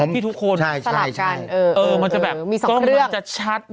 ที่ทุกคนใช่ใช่ใช่เออเออมันจะแบบมีสองเรื่องมันจะชัดอ่า